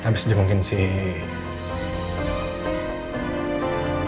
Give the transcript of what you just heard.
bagian gue udah selesai kok